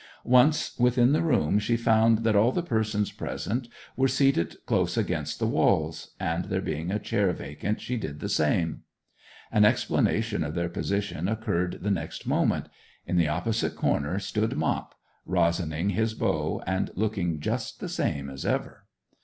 Once within the room she found that all the persons present were seated close against the walls, and there being a chair vacant she did the same. An explanation of their position occurred the next moment. In the opposite corner stood Mop, rosining his bow and looking just the same as ever.